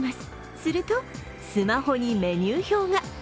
するとスマホにメニュー表が。